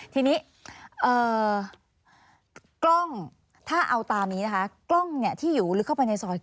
ทีนี้กล้องถ้าเอาตามนี้นะคะกล้องที่อยู่ลึกเข้าไปในซอย